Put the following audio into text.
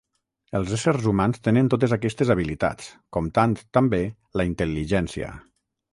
Els éssers humans tenen totes aquestes habilitats, comptant, també, la intel·ligència.